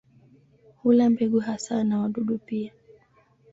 Hula mbegu hasa na wadudu pia.